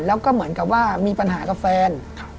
แล้วก็เหมือนกับว่ามีปัญหากับแฟน